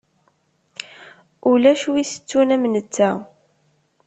Ulac wi itettun am netta.